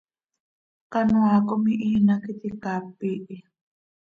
Canoaa com ihiin hac iti caap iihi.